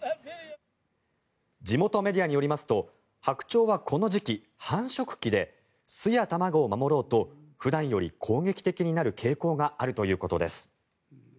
地元メディアによりますとハクチョウはこの時期、繁殖期で巣や卵を守ろうと普段より攻撃的になる傾向があるということです。